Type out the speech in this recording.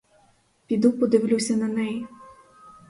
Піду подивлюся на неї!